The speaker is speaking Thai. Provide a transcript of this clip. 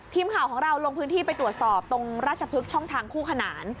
ทีมข่าวของเราลงพื้นที่ไปตรวจสอบตรงราชพฤกษ์ช่องทางคู่ขนาน